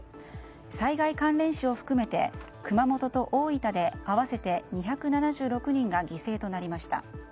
災害関連死を含めて熊本と大分で合わせて２７６人が犠牲となりました。